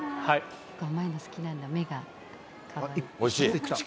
甘いの好きなんだ、目がかわいい。